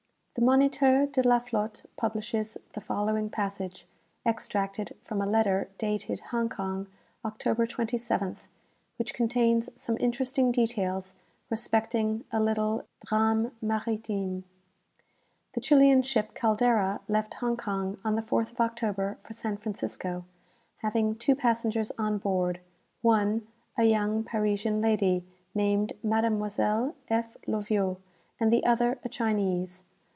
"The Moniteur de la Flotte publishes the following passage, extracted from a letter dated Hong Kong, October, 27th, which contains some interesting details respecting a little 'drame maritime:' "'The Chilian ship "Caldera" left Hong Kong on the 4th of October for San Francisco, having two passengers on board, one a young Parisian lady, named Mademoiselle F. Loviot, and the other a Chinese.